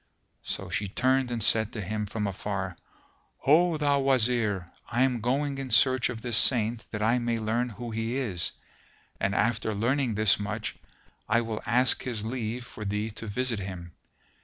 So she turned and said to him from afar, "Ho, thou Wazir, I am going in search of this Saint that I may learn who he is; and, after learning this much, I will ask his leave for thee to visit him.